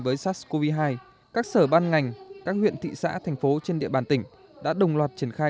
với sars cov hai các sở ban ngành các huyện thị xã thành phố trên địa bàn tỉnh đã đồng loạt triển khai